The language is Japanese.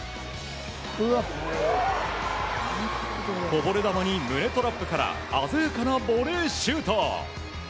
こぼれ球に胸トラップから鮮やかなボレーシュート。